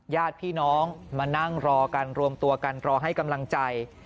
ญาติพี่น้องมานั่งรอกันรวมตัวกันรอให้กำลังใจ